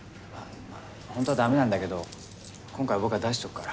本当はダメなんだけど今回は僕が出しとくから。